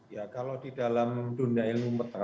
ya kalau di dalam dunia ilmu